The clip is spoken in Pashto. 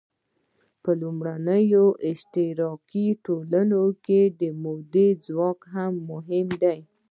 په لومړنیو اشتراکي ټولنو کې مؤلده ځواکونه مهم وو.